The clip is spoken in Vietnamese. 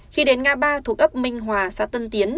khi đến nga ba thuộc ấp bình hòa xã tân tiến